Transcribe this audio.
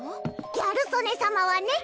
ギャル曽根さまはね